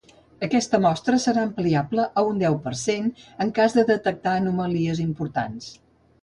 Aquesta mostra serà ampliable a un deu per cent en cas de detectar anomalies importants.